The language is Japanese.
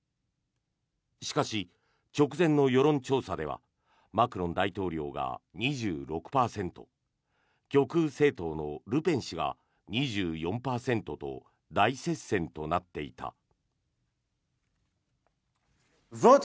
しかし、直前の世論調査ではマクロン大統領が２６％極右政党のルペン氏が２４％と大接戦となっていた。